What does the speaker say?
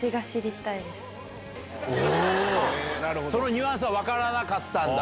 ニュアンスは分からなかったんだ